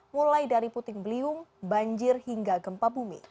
mulai dari puting beliung banjir hingga gempa bumi